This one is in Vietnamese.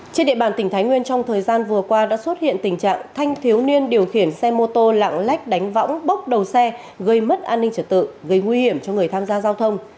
trên địa bàn tỉnh thái nguyên trong thời gian vừa qua đã xuất hiện tình trạng thanh thiếu niên điều khiển xe mô tô lạng lách đánh võng bốc đầu xe gây mất an ninh trật tự gây nguy hiểm cho người tham gia giao thông